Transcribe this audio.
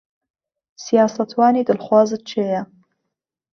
سیاسەتوانی دڵخوازت کێیە؟